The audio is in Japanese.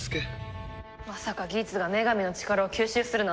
まさかギーツが女神の力を吸収するなんて。